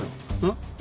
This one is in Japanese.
ん？